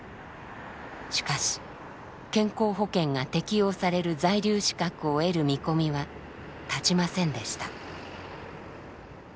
しかし健康保険が適用される在留資格を得る見込みは立ちませんでした。